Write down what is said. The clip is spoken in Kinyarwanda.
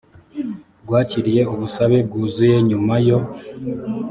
rwakiriye ubusabe bwuzuye nyuma yo